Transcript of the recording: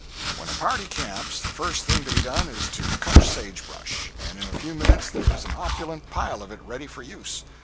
When a party camps, the first thing to be done is to cut sage brush; and in a few minutes there is an opulent pile of it ready for use.